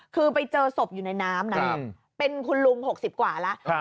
คือไปเจอศพอยู่ในน้ำนะเป็นคุณลุง๖๐กว่าแล้ว